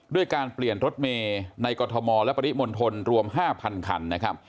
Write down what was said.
ด้วยการเปลี่ยนรถเมย์ในกรทมและปริมณฑลรวม๕๐๐คันนะครับ